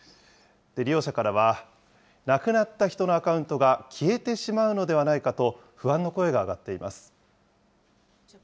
利用者からは、亡くなった人のアカウントが消えてしまうのではないかと不安の声が上がっています。